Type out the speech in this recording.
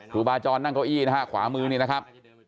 ครูบาจรนั่งเก้าอี้นะฮะขวามือนี่นะครับ